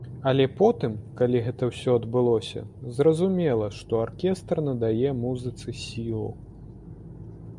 Але потым, калі гэта ўсё адбылося, зразумела, што аркестр надае музыцы сілу.